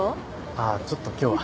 ああちょっと今日は。